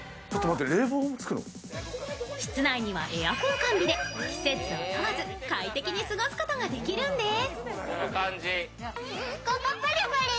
室内にはエアコン完備で季節を問わず、快適に過ごすことができるんです。